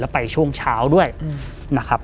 ไปช่วงเช้าด้วยนะครับ